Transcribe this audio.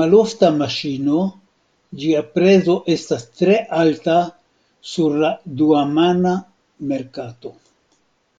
Malofta maŝino, ĝia prezo estas tre alta sur la dua-mana merkato.